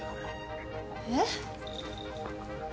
えっ？